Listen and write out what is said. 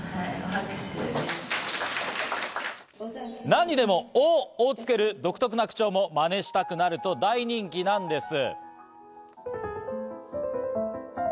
何でも「お」をつける独特な口調も、まねしたくなると大人気なんです。